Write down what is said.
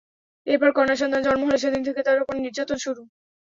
এরপর কন্যাসন্তান জন্ম হলে সেদিন থেকে তাঁর ওপর নির্যাতন শুরু হয়।